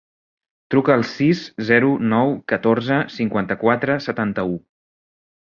Truca al sis, zero, nou, catorze, cinquanta-quatre, setanta-u.